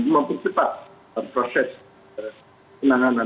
mempercepat proses penanganan